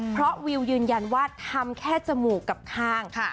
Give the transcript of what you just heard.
เพราะวิวยืนยันว่าทำแค่จมูกกับข้าง